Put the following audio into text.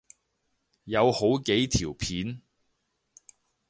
有好幾條片